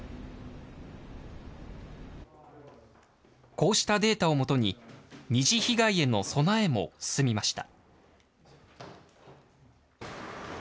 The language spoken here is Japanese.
こうしたデータを基に、二次被害への備えも進みました。